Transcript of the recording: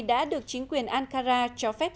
đã được chính quyền ankara cho phép